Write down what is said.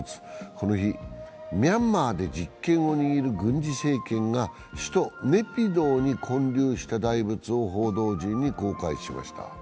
この日、ミャンマーで実権を握る軍事政権が首都ネピドーに建立した大仏を報道陣に公開しました。